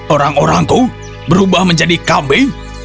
orang orangku berubah menjadi kambing